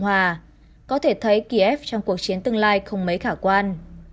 hòa có thể thấy kiev trong cuộc chiến tương lai không mấy khả quan